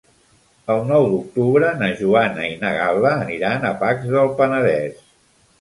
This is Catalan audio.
El nou d'octubre na Joana i na Gal·la aniran a Pacs del Penedès.